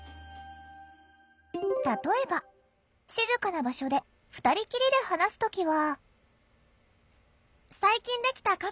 例えば静かな場所で２人きりで話す時は。